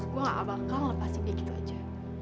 gue nggak bakal lepasin dia gitu aja